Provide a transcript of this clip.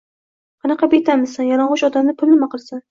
Qanaqa betamizsan, yalang’och odamda pul nima qilsin?